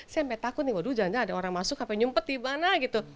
sampai takut nih waduh jangan jangan ada orang masuk sampai nyempet di mana gitu